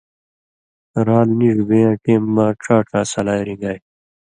رال نیڙ بېن٘یاں ٹیم مہ ڇا ڇا سلائ رِݩگائ۔